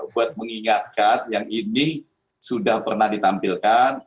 buat mengingatkan yang ini sudah pernah ditampilkan